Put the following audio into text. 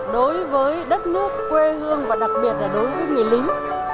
đối với đất nước quê hương và đặc biệt là đối với người lính